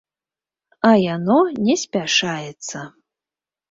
А яно не спяшаецца.